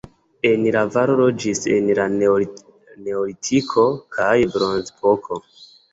En la valo loĝis en la neolitiko kaj bronzepoko.